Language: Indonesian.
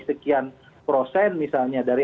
sekian prosen misalnya dari